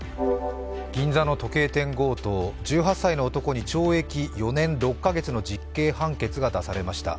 銀座の時計店強盗、１８歳の男に懲役４年６か月の実刑判決が言い渡されました。